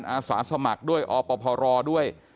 ชาวระบอหมู่บ้านอาศาสมัครด้วยอปภรด้วย